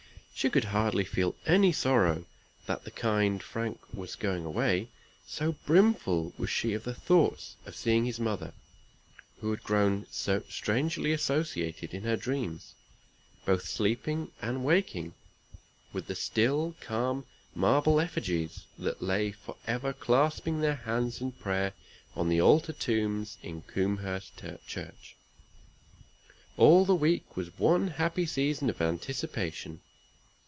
She could hardly feel any sorrow that the kind Frank was going away, so brimful was she of the thoughts of seeing his mother; who had grown strangely associated in her dreams, both sleeping and waking, with the still calm marble effigies that lay for ever clasping their hands in prayer on the altar tombs in Combehurst church. All the week was one happy season of anticipation.